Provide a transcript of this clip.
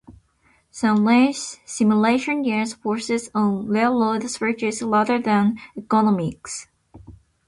Some rail simulation games focus on railroad switches rather than economics.